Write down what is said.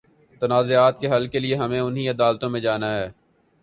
تنازعات کے حل کے لیے ہمیں انہی عدالتوں میں جانا ہے۔